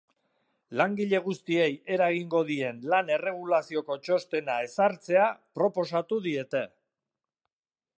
Langile guztiei eragingo dien lan erregulazioko txostena ezartzea proposatu diete.